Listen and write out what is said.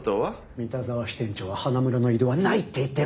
三田沢支店長は花村の異動はないって言ってるんですよ。